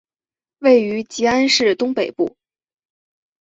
位于吉安市东北部。